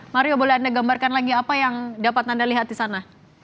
mario boleh anda gambarkan lagi apa yang dapat anda lihat di sana